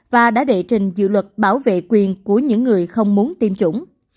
và đã đệ trình dự luật bảo vệ quyền của những người không muốn tiêm chủng